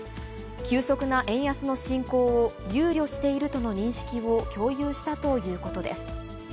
急速な円安の進行を憂慮しているとの認識を共有したということです。